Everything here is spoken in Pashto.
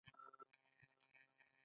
آیا ملالۍ د پښتنې ښځې د شجاعت نښه نه ده؟